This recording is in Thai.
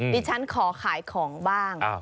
ดิฉันขอขายของบ้าง